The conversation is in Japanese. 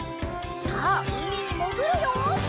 さあうみにもぐるよ！